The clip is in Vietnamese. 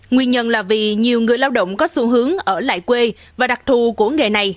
nguyên nhân là vì nhiều người lao động có xu hướng ở lại quê và đặc thù của nghề này